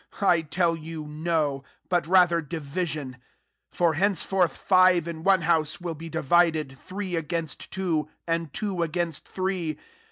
I tell you. No; but ra ther division. 52 For hence forth five in one house will be divided, three against two, and two against three.